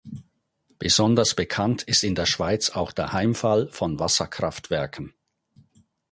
Besonders bekannt ist in der Schweiz auch der Heimfall von Wasserkraftwerken.